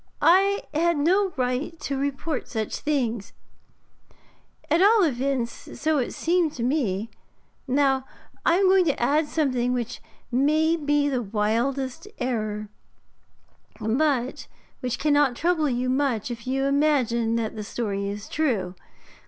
I had no right to report such things at all events, so it seemed to me. Now I am going to add something which may be the wildest error, but which cannot trouble you much if you imagine that the story is true.